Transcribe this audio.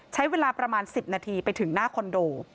ใช้เวลาประมาณ๑๐นาทีไปถึงหน้าคอนโด